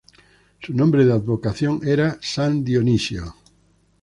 Su nombre de advocación era "San Dionisio".